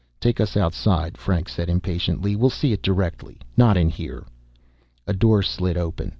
"Take us outside," Franks said impatiently. "We'll see it directly, not in here." A door slid open.